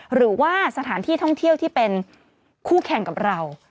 หรือว่าสถานที่ท่องเที่ยวที่เป็นคู่แข่งกับเรา